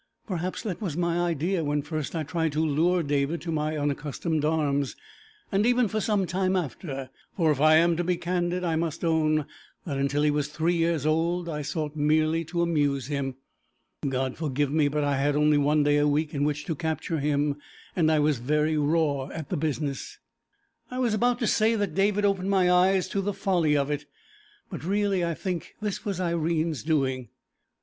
Perhaps that was my idea when first I tried to lure David to my unaccustomed arms, and even for some time after, for if I am to be candid, I must own that until he was three years old I sought merely to amuse him. God forgive me, but I had only one day a week in which to capture him, and I was very raw at the business. I was about to say that David opened my eyes to the folly of it, but really I think this was Irene's doing.